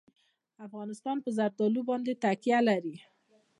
افغانستان په زردالو باندې تکیه لري.